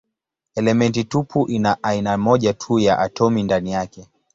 Elementi tupu ina aina moja tu ya atomi ndani yake.